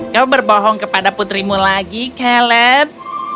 kau berbohong kepada putrimu lagi caleb